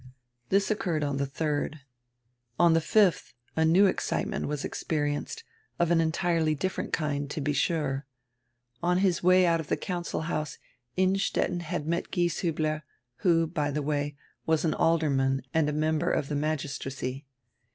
This occurred on die 3d. On die 5th a new excitement was experienced, of an entirely different kind, to be sure. On his way out of die council house Innstetten had met Gieshiibler, who, by the way, was an alderman and a mem ber of the magistracy.